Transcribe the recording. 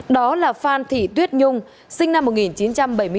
đó là phan thị tuyết nhung sinh năm một nghìn chín trăm bảy mươi bốn